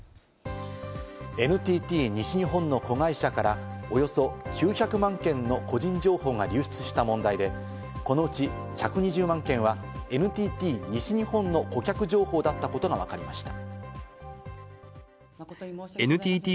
ＮＴＴ西日本の子会社から、およそ９００万件の個人情報が流出した問題で、このうち１２０万件はＮＴＴ西日本の顧客情報だったことがわかりました。